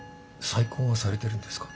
再婚はされてるんですか？